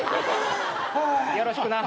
よろしくな。